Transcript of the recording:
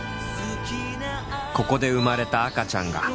「ここで生まれた赤ちゃんが」